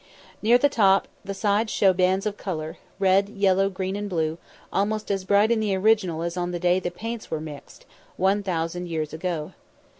Near the top the sides show bands of colour, red, yellow, green and blue, almost as bright in the original as on the day the paints were mixed, one thousand years ago.